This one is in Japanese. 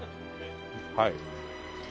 はい。